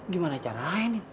gimana caranya din